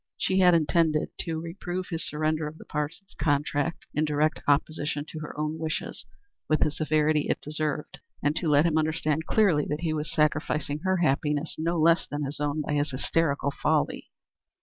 She had intended to reprove his surrender of the Parsons's contract, in direct opposition to her own wishes, with the severity it deserved, and to let him understand clearly that he was sacrificing her happiness, no less than his own, by his hysterical folly.